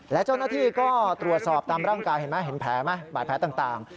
และเจ้าหน้าที่ก็ตรวจสอบตามร่างกายเห็นไหมเห็นแผลไหมบาดแผลต่าง